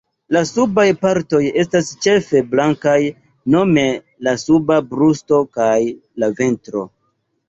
La subaj partoj estas ĉefe blankaj nome la suba brusto kaj la ventro.